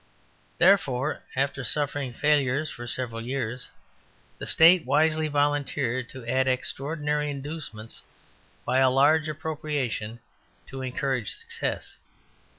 Therefore, after suffering failures for several years, the State wisely volunteered to add extraordinary inducements by a large appropriation to encourage success.